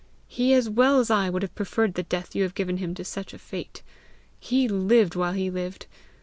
He as well as I would have preferred the death you have given him to such a fate. He lived while he lived!